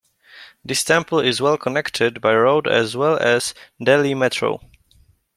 This temple is well connected by road as well as Delhi Metro.